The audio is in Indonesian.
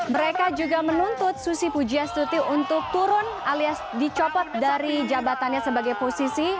mereka juga menuntut susi pujiastuti untuk turun alias dicopot dari jabatannya sebagai posisi